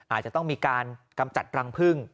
อาจจะต้องมีการกำจัดรังพึ่ง